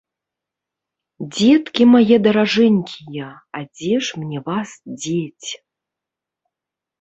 Дзеткі мае даражэнькія, а дзе ж мне вас дзець?